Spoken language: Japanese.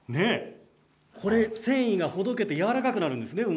繊維がほどけてやわらかくなるんですね。